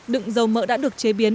đựng dầu mỡ đã được chế biến